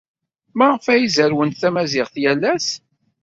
Maɣef ay zerrwent tamaziɣt yal ass?